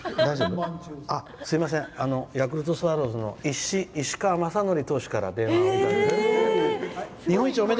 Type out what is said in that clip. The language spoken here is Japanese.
すみませんヤクルトスワローズの石川雅規投手から電話が。